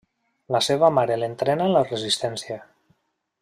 La seva mare l'entrena en la resistència.